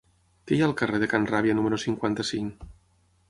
Què hi ha al carrer de Can Ràbia número cinquanta-cinc?